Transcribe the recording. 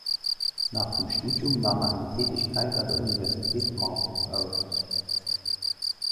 Nach dem Studium nahm er eine Tätigkeit an der Universität Marburg auf.